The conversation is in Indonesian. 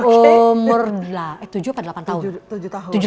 umur tujuh atau delapan tahun